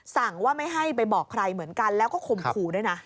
สั่งว่าไม่ให้ไปบอกใครเหมือนกันแล้วก็ข่มขู่ด้วยนะ